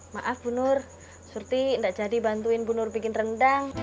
maaf bu nur surti tidak jadi bantuin bu nur bikin rendang